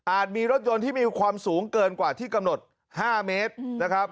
มีรถยนต์ที่มีความสูงเกินกว่าที่กำหนด๕เมตรนะครับ